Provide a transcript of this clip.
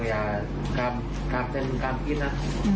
อย่ากล้ามเต้นกล้ามกินนะ